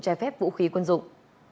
trái phép vũ khí quân dụng